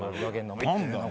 何だよ。